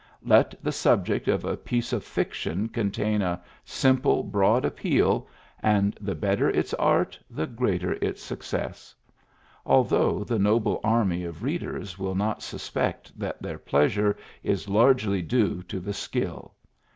Let the subject of a piece of fiction contain a simple, broad appeal, and the better its art, the greater its success ; although the noble army of readers will not suspect that their pleasure is largely due to the skill.